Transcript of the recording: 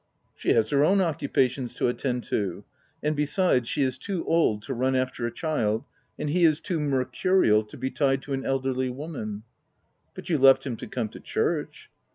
,?" She has her own occupations to attend to ; and besides, she is too old to run after a child, and he is too mercurial to be tied to an elderly woman/' " But you left him to come to church."